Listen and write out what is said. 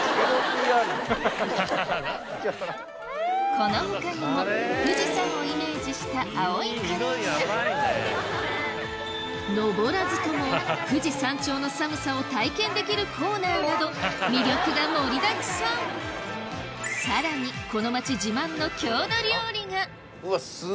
この他にも富士山をイメージした青いカレーや登らずとも富士山頂の寒さを体験できるコーナーなど魅力が盛りだくさんさらにうわ。